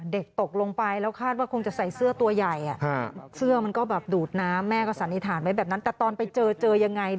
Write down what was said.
ตกลงไปแล้วคาดว่าคงจะใส่เสื้อตัวใหญ่เสื้อมันก็แบบดูดน้ำแม่ก็สันนิษฐานไว้แบบนั้นแต่ตอนไปเจอเจอยังไง